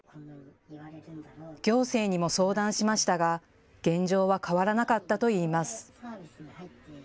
行政にも相談しましたが現状は変わらなかったといいます。